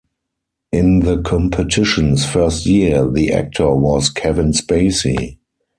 In the competition's first year the actor was Kevin Spacey.